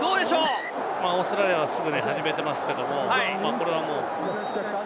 オーストラリアはすぐに始めていますけれども。